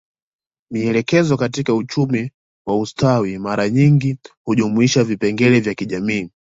Mielekeo katika uchumi wa ustawi mara nyingi hujumuisha vipengele vya kijamii